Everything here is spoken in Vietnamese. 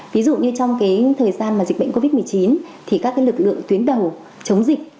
ví dụ như trong cái thời gian mà dịch bệnh covid một mươi chín thì các lực lượng tuyến đầu chống dịch